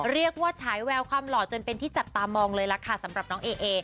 ฉายแววความหล่อจนเป็นที่จับตามองเลยล่ะค่ะสำหรับน้องเอ